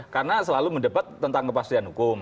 karena selalu mendebat tentang kepastian hukum